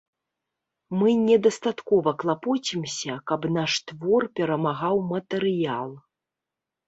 Мы недастаткова клапоцімся, каб наш твор перамагаў матэрыял.